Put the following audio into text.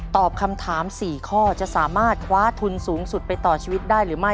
ตอบคำถาม๔ข้อจะสามารถคว้าทุนสูงสุดไปต่อชีวิตได้หรือไม่